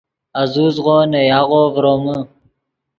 آزوزغو نے یاغو ڤرومے